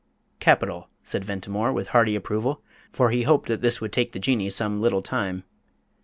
"Capital," said Ventimore, with hearty approval, for he hoped that this would take the Jinnee some little time.